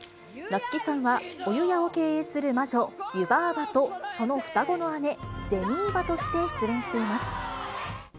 夏木さんはお湯屋を経営する魔女、湯婆婆と、その双子の姉、銭婆として出演しています。